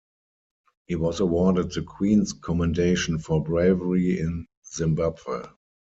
He was awarded the Queen's Commendation for Bravery in Zimbabwe.